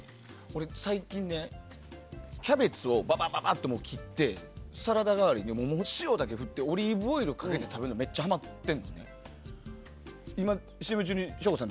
俺、最近キャベツをバババッて切ってサラダ代わりに、塩だけ振ってオリーブオイルかけて食べるのめっちゃハマってんねん。